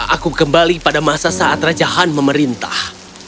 aku kembali pada masa saat raja han memerintah